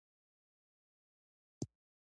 اداري تعلیق استثنايي اقدام ګڼل کېږي.